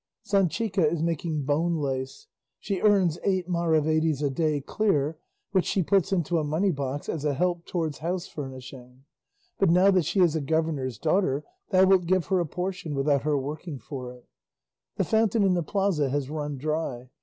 Sanchica is making bonelace; she earns eight maravedis a day clear, which she puts into a moneybox as a help towards house furnishing; but now that she is a governor's daughter thou wilt give her a portion without her working for it. The fountain in the plaza has run dry.